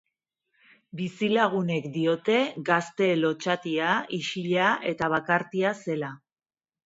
Bizilagunek diote gazte lotsatia, isila eta bakartia zela.